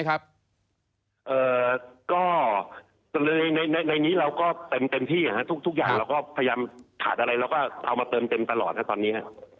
ก็เลยในนี้เราก็เต็มที่ทุกอย่างเราก็พยายามขาดอะไรเราก็เอามาเติมเต็มตลอดนะตอนนี้